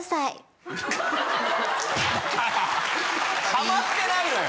ハマってないのよ！